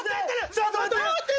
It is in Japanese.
ちょっと待って！